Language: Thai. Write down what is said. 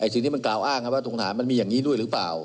สิ่งที่มันกล่าวอ้างว่าตรงหามันมีอย่างนี้ด้วยหรือเปล่า